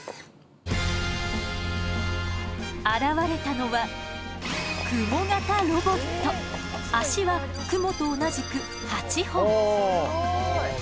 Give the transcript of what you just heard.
現れたのは脚はクモと同じく８本。